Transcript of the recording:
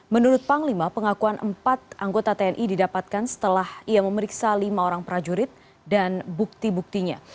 menurut panglima pengakuan empat anggota tni didapatkan setelah ia memeriksa lima orang prajurit dan bukti buktinya